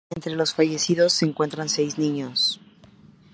Entre los fallecidos se encuentran seis niños.